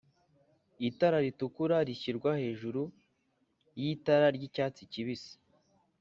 Itara ritukura rishyirwa hejuru y'itara ry'icyatsi kibisi.